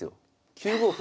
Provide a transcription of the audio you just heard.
９五歩。